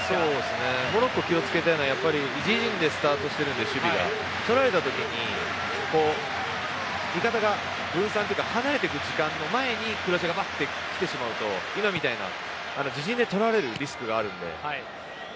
モロッコが気を付けたいのはやっぱり守備が自陣でスタートしているのでとられた時味方が分散というか離れていく時間の前にクロアチアが来てしまうと今みたいな自陣でとられるリスクがあるので。